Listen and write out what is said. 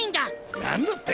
何だって！？